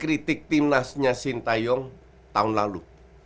kritik timnasnya sintayong tahun lalu